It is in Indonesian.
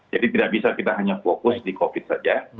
jadi tidak bisa kita hanya fokus di covid sembilan belas saja